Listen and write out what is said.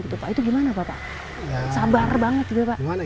itu gimana pak sabar banget juga pak